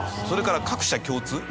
それから各社共通。